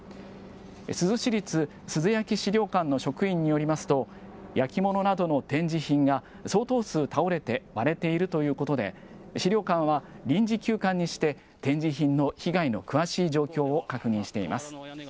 珠洲市立珠洲焼資料館の職員によりますと、焼き物などの展示品が相当数、倒れて割れているということで、資料館は、臨時休館にして展示品の被害の詳しい状況を確認しています。